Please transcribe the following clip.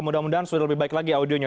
mudah mudahan sudah lebih baik lagi audionya